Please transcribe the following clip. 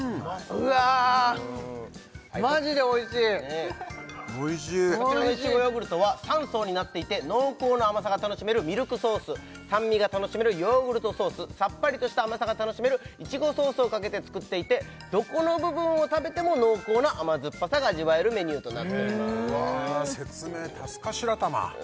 うわあマジでおいしいおいしいこちらのいちごヨーグルトは３層になっていて濃厚な甘さが楽しめるミルクソース酸味が楽しめるヨーグルトソースさっぱりとした甘さが楽しめるイチゴソースをかけて作っていてどこの部分を食べても濃厚な甘酸っぱさが味わえるメニューとなっておりますわあ説明助か白玉！